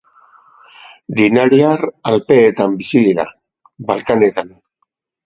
Dinariar Alpeetan bizi dira, Balkanetan.